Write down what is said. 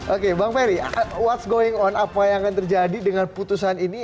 oke bang ferry apa yang akan terjadi dengan putusan ini